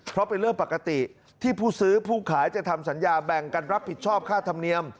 เพราะเป็นเรื่องปกติที่ผู้ซื้อผู้ขายจะทำสัญญาแบ่งกันรับผิดชอบค่าธรรมเนียม